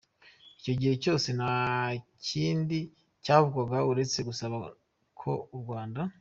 Icyo gihe cyose nta kindi cyavugwaga uretse gusaba ko u Rwanda.